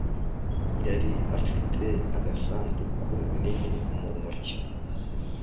Yari afite agasanduku nini mu ntoki.